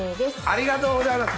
ありがとうございます。